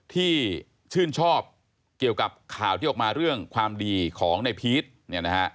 ที่ชื่นชอบเกี่ยวกับข่าวที่ออกมาเรื่องความดีของนายพีช